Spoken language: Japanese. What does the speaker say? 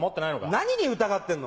何に疑ってんの？